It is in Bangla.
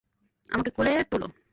আমাকে কোলে তুলো!